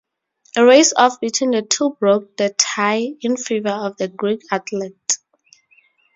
A race-off between the two broke the tie in favor of the Greek athlete.